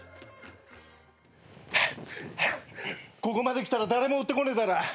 ここまで来たら誰も追ってこねえだろ。